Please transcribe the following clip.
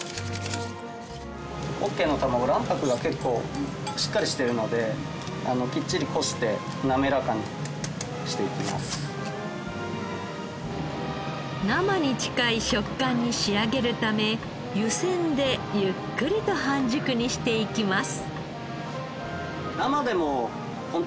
うこっけいの卵生に近い食感に仕上げるため湯煎でゆっくりと半熟にしていきます。